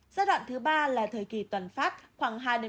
giai đoạn thứ ba là thời kỳ toàn phát khoảng hai ba tuần